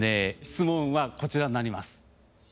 質問はこちらになります。